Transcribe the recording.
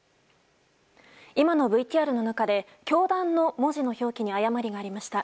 今のＶＴＲの中で教団の文字の表記に誤りがありました。